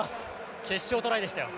決勝トライでしたよ。